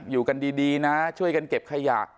อยู่กันดีนะช่วยกันเก็บขยะ